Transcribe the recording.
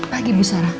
pagi bu sara